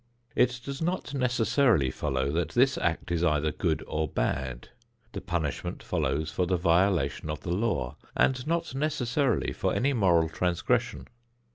It does not necessarily follow that this act is either good or bad; the punishment follows for the violation of the law and not necessarily for any moral transgression.